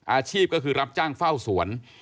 อาชีพก็คือรับจ้างเฝ้าสวน